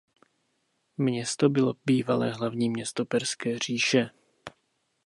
Město bylo bývalé hlavní město Perské říše.